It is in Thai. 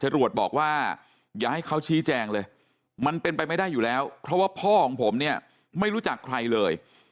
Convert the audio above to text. บอกว่าอย่าให้เขาชี้แจงเลยมันเป็นไปไม่ได้อยู่แล้วเพราะว่าพ่อของผมเนี่ยไม่รู้จักใครเลย